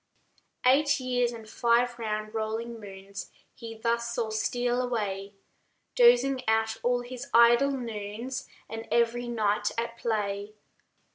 H4yy4/ Eight years and five round rolling moons He thus saw steal away, Dozing out all his idle noons, And every night at play.